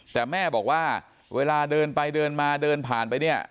แต่แม่บอกว่าเวลาเดินไปเดินมาเดินผ่านไปเนี่ย